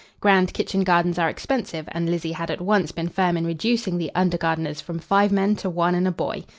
Grand kitchen gardens are expensive, and Lizzie had at once been firm in reducing the under gardeners from five men to one and a boy.